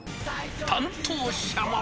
担当者も。